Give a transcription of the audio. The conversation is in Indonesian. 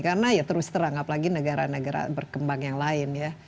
karena ya terus terang apalagi negara negara berkembang yang lain ya